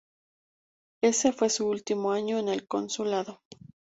Ese fue su último año en el Consulado.